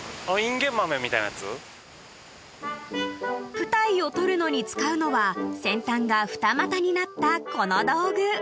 ［プタイを採るのに使うのは先端が二股になったこの道具］